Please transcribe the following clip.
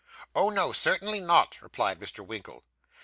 'Oh, no; certainly not,' replied Mr. Winkle.